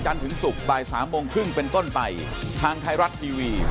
คุณจิณภรครับขอบคุณครับสวัสดีครับ